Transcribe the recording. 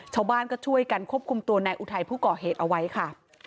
ชาวบ้านก็ช่วยกันควบคุมตัวนายอุทัยผู้ก่อเหตุเอาไว้ค่ะ